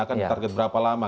akan target berapa lama